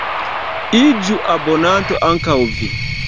Iĝu abonanto ankaŭ vi!